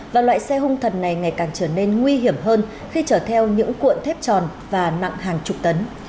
và loại xe hung thần này ngày càng trở nên nguy hiểm hơn khi chở theo những cuộn thép tròn và nặng hàng chục tấn